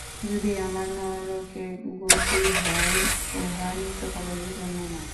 যদি আমার নরকে গতি হয়, উহা নিত্যকালের জন্য নয়।